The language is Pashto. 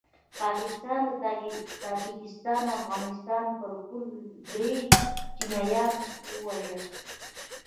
پاکستان د تاجکستان او افغانستان پر پوله دري چینایان ووژل